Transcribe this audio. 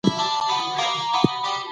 د غرمې لپاره سبزيجات شامل وو.